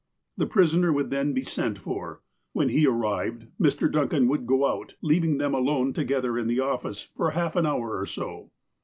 The prisoner would then be sent for. When he ar rived, Mr. Duncan would go out, leaving them alone together in the office for half an hour or so.